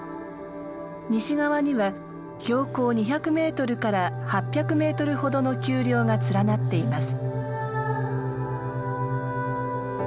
西側には標高２００メートルから８００メートルほどの丘陵が連なっています。